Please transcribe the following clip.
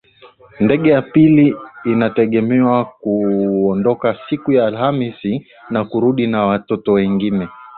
ndege ya pili inategemewa kuondoka siku ya alhamisi na kurundi na watoto wengine